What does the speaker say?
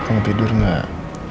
kamu tidur nggak